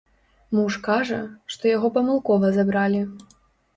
Муж кажа, што яго памылкова забралі.